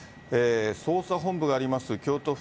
捜査本部があります